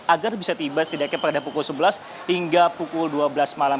agar bisa tiba setidaknya pada pukul sebelas hingga pukul dua belas malam